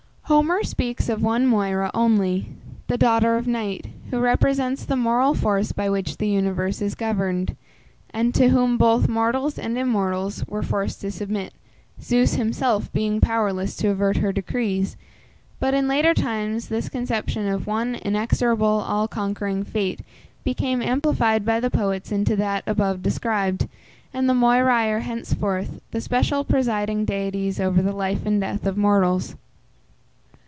Homer speaks of one Moira only, the daughter of Night, who represents the moral force by which the universe is governed, and to whom both mortals and immortals were forced to submit, Zeus himself being powerless to avert her decrees; but in later times this conception of one inexorable, all conquering fate became amplified by the poets into that above described, and the Moiræ are henceforth the special presiding deities over the life and death of mortals.